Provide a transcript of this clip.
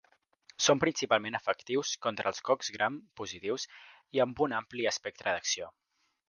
Són principalment efectius contra els cocs gram positius i amb un ampli espectre d'acció.